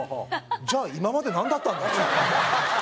じゃあ、今までなんだったんだ？って。